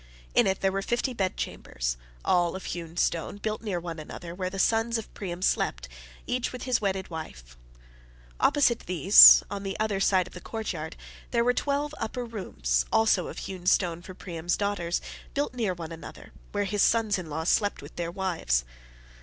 In it there were fifty bedchambers—all of hewn stone—built near one another, where the sons of Priam slept, each with his wedded wife. Opposite these, on the other side the courtyard, there were twelve upper rooms also of hewn stone for Priam's daughters, built near one another, where his sons in law slept with their wives.